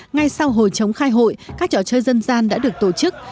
ngay sau hồi chống khai hội các trò chơi dân gian đã được tổ chức